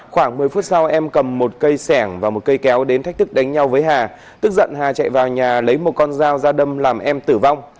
khoảng một mươi phút sau em cầm một cây sẻng và một cây kéo đến thách thức đánh nhau với hà tức giận hà chạy vào nhà lấy một con dao ra đâm làm em tử vong